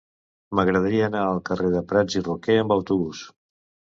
M'agradaria anar al carrer de Prats i Roquer amb autobús.